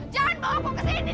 jangan bawa ke sini